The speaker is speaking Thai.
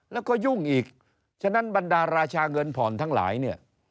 แล้วก็ยุ่งอีกฉะนั้นบรรดาราชาเงินผ่อนทั้งหลายเนี่ย